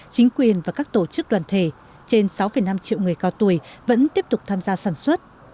chính quyền và các tổ chức đoàn thể trên sáu năm triệu người cao tuổi vẫn tiếp tục tham gia sản xuất